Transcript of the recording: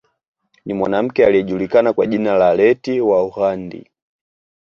Ni mwanamke aliyejulikana kwa jina la Leti wa Ughandi